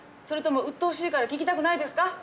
それともうっとうしいから聞きたくないですか？